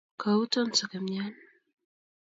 kauton sekemyan